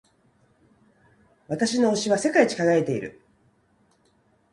私の押しは世界一輝いている。